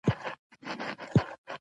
ژورو ته کوزېدل له علم پرته ناشونی دی.